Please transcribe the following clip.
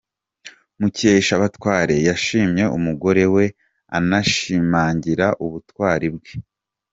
Mukeshabatware yashimye umugore we anashimangira ubutwari bwe.